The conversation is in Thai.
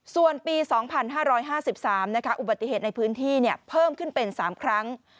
ส่วนปี๒๕๕๓อุบัติเหตุในพื้นที่เพิ่มขึ้นเป็น๓ครั้ง